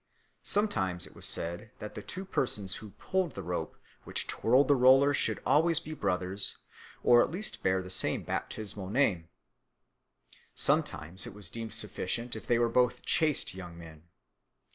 Sometimes it was said that the two persons who pulled the rope which twirled the roller should always be brothers or at least bear the same baptismal name; sometimes it was deemed sufficient if they were both chaste young men.